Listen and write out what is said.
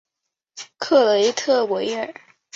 克雷特维尔。